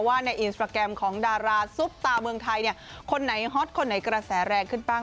ในอินสตราแกรมของดาราซุปตาเมืองไทยคนไหนฮอตคนไหนกระแสแรงขึ้นบ้าง